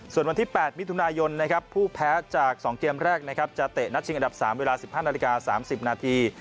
ส่วนวันที่๘มิถุนายนนะครับผู้แพ้จาก๒เกมแรกนะครับจะเตะนัดชิงอันดับ๓เวลา๑๕นาฬิกา๓๐นาที